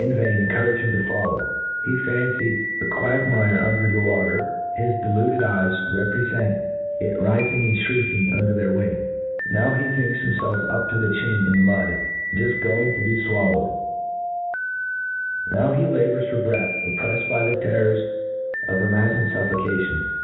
vain encourage him to follow. He fancies a quagmire un der the water ; his deluded eyes reprefent it rifing and finking under their • weight : Now he thinks I^imfelf up to the chin^ in the mud, juft going %2i A T RE A T J S E O F going to be fwallowed : Now he labours for ,breath^ opprcffcd by the terrors of imagined foffocation.